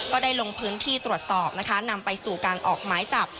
ก็ได้ลงพื้นที่ตรวจสอบนะคะนำไปสู่การออกหมายจับ